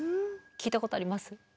聞いたことあります？